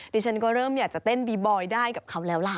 ดิฉันก็เริ่มอยากจะเต้นบีบอยได้กับเขาแล้วล่ะ